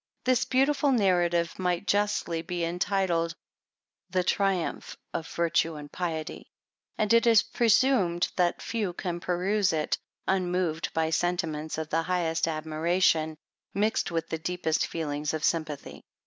This beautiful narrative might justly be entitled, the triumph of virtue and piety ; and it is presumed that few can peruse it, unmoved by sentiments of the highest admiration, mixed with the deepest feelings of sympathy.